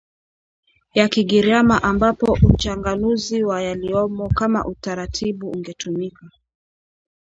ya Kigiriama ambapo uchanganuzi wa yaliyomo kama utaratibu ungetumika